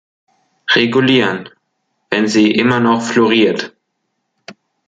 Regulieren, wenn sie immer noch floriert.